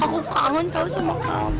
aku kangen tahu sama kamu